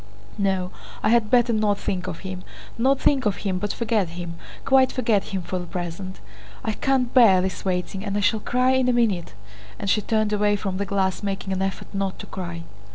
No, I had better not think of him; not think of him but forget him, quite forget him for the present. I can't bear this waiting and I shall cry in a minute!" and she turned away from the glass, making an effort not to cry.